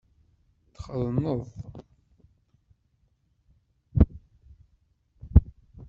Txetneḍ?